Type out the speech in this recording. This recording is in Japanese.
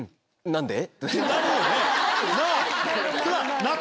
何で？